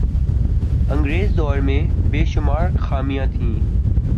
انگریز دور میں بے شمار خامیاں تھیں